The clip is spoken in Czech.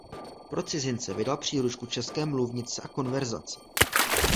Pro cizince vydal příručku české mluvnice a konverzace.